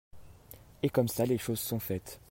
Et comme ça les choses sont faites.